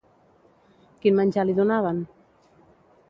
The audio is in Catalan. Quin menjar li donaven?